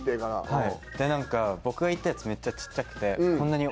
はい。